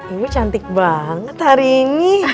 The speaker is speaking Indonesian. ibu cantik banget hari ini